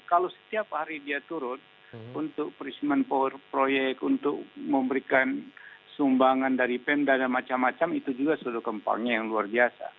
kalau setiap hari dia turun untuk pressment proyek untuk memberikan sumbangan dari pemda dan macam macam itu juga sudah kemparnya yang luar biasa